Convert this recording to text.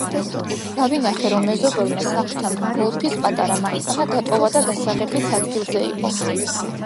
დავინახე, რომ მეზობელმა სახლთან გოლფის პატარა მანქანა დატოვა და გასაღებიც ადგილზე იყო.